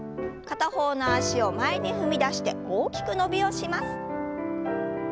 片方の脚を前に踏み出して大きく伸びをします。